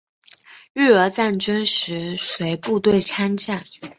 日俄战争时随部队参战。